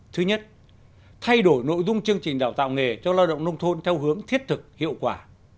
thứ nhất thay đổi nội dung chương trình đào tạo nghề cho lao động nông thôn theo hướng thiết thực hiệu quả